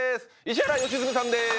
石原良純さんです